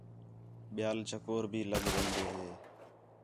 ٻِیال چکور بھی لڳ وین٘دے ہے